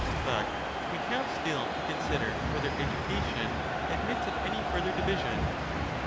But we have still to consider whether education admits of any further division.